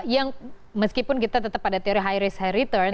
yang meskipun kita tetap pada teori high risk high return